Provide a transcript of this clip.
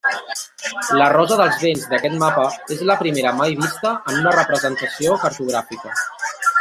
La rosa dels vents d'aquest mapa és la primera mai vista en una representació cartogràfica.